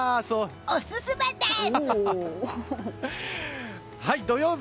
オススメです！